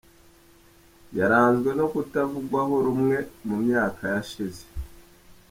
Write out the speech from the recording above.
Yaranzwe no kutavugwaho rumwe mu myaka yashize.